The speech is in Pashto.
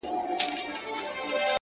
تا ولي هر څه اور ته ورکړل د یما لوري!